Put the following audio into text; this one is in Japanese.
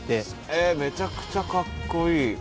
えめちゃくちゃかっこいい。